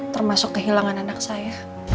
termasuk kehilangan anak saya